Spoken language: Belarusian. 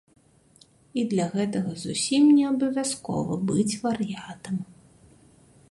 І для гэтага зусім неабавязкова быць вар'ятам.